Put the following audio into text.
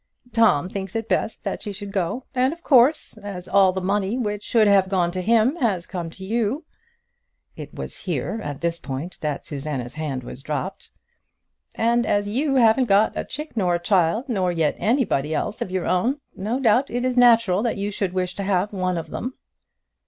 Tom thinks it best that she should go; and, of course, as all the money which should have gone to him has come to you" it was here, at this point that Susanna's hand was dropped "and as you haven't got a chick nor a child, nor yet anybody else of your own, no doubt it is natural that you should wish to have one of them."